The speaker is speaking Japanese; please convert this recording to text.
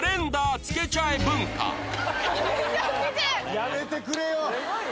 やめてくれよ。